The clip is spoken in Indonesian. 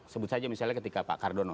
sebut saja misalnya ketika pak kardono